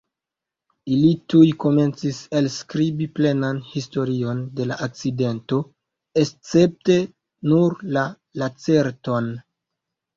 Ili tuj komencis elskribi plenan historion de la akcidento, escepte nur la Lacerton.